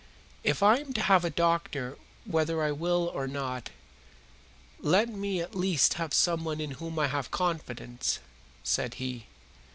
"If I am to have a doctor whether I will or not, let me at least have someone in whom I have confidence," said he.